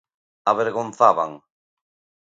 Avergonzaban.